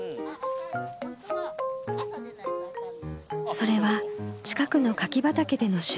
それは近くの柿畑での収穫。